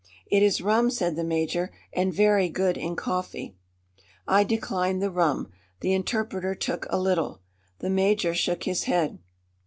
"It is rum," said the major, "and very good in coffee." I declined the rum. The interpreter took a little. The major shook his head.